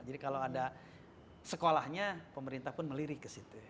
jadi kalau ada sekolahnya pemerintah pun melirik ke situ